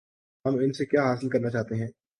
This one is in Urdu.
ہم ان سے کیا حاصل کرنا چاہتے ہیں؟